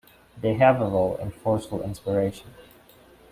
They have a role in forceful inspiration.